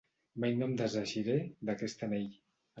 Mai no em deseixiré d'aquest anell.